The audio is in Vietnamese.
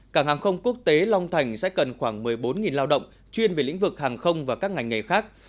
cảng hàng không quốc tế long thành sẽ cần khoảng một mươi bốn lao động chuyên về lĩnh vực hàng không và các ngành nghề khác